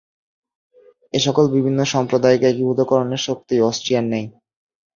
এ সকল বিভিন্ন সম্প্রদায়কে একীভূতকরণের শক্তি অষ্ট্রীয়ার নেই।